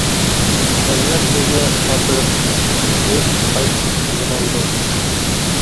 ئەزىمەت بىزنى ئاپىرىپ قويۇپ قايتىپ كېتىدىغان بولدى.